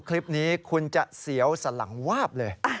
คุณจะเสียวสลังวาบเลย